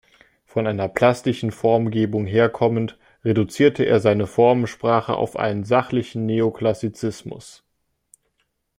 Von einer plastischen Formgebung herkommend, reduzierte er seine Formensprache auf einen sachlichen Neoklassizismus.